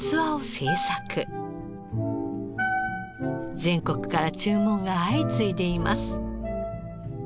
全国から注文が相次いでいます。